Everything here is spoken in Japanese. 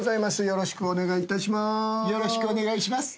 よろしくお願いします。